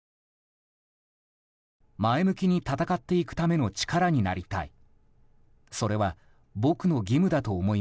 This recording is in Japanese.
前向きに闘っていくための力になりたい。